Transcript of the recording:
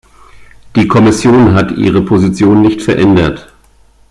Die Kommission hat ihre Position nicht verändert.